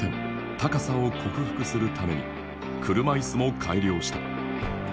高さを克服するために車いすも改良した。